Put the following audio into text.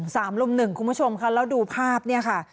ลุมหนึ่งคุณผู้ชมค่ะแล้วดูภาพเนี่ยค่ะ